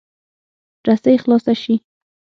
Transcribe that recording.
رسۍ خلاصه شي.